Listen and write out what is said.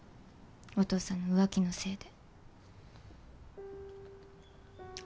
お父さんの浮気のせいで。